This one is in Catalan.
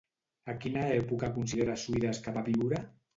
A quina època considera Suides que va viure?